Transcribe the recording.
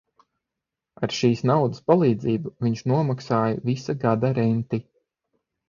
Ar šīs naudas palīdzību viņš nomaksāja visa gada renti.